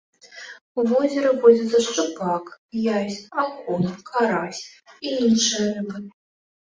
У возеры водзяцца шчупак, язь, акунь, карась і іншыя рыбы.